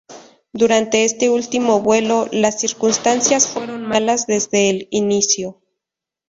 Durante este último vuelo, las circunstancias fueron malas desde el inicio.